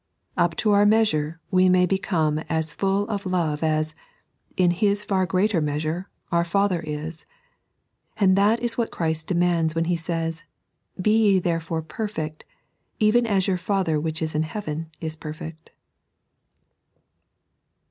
Up to our measure we may become as fall of Love as, in His far greater measure, our Father is ; and this is what Christ demands, when He says :" Be ye therefore perfect, even as your Father which is in heaven is perfect."